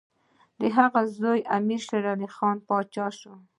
د هغه زوی امیر شېرعلي خان پاچا شو.